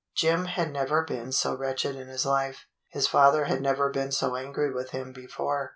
Jim had never been so wretched in his life. His father had never been so angry with him before.